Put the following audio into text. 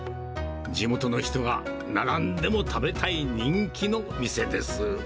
地元の人が並んでも食べたい人気の店です。